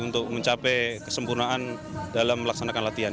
untuk mencapai kesempurnaan dalam melaksanakan latihan